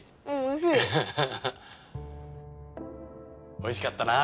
おいしかったなぁ！